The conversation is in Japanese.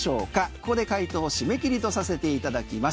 ここで解答締め切りとさせていただきます。